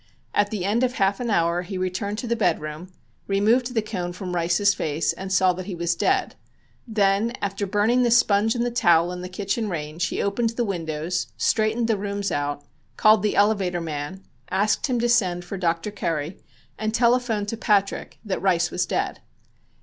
At the end of half an hour he returned to the bedroom, removed the cone from Rice's face and saw that he was dead, then after burning the sponge and the towel in the kitchen range he opened the windows, straightened the rooms out, called the elevator man, asked him to send for Dr. Curry, and telephoned to Patrick that Rice was dead.